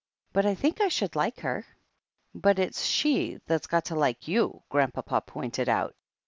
But I think I should like her." "But it's she that's got to like you," Grandpapa pointed out.